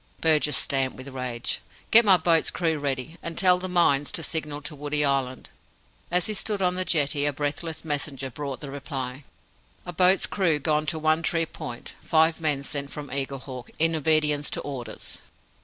Burgess stamped with rage. "Get me my boat's crew ready; and tell the Mines to signal to Woody Island." As he stood on the jetty, a breathless messenger brought the reply. "A BOAT'S CREW GONE TO ONE TREE POINT! FIVE MEN SENT FROM EAGLEHAWK IN OBEDIENCE TO ORDERS!"